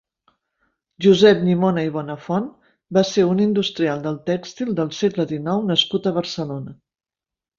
Josep Llimona i Bonafont va ser un industrial del tèxtil del segle dinou nascut a Barcelona.